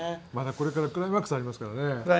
これからクライマックスありますからね。